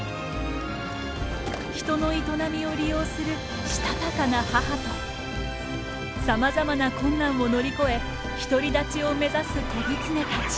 人の営みを利用するしたたかな母とさまざまな困難を乗り越え独り立ちを目指す子ギツネたち。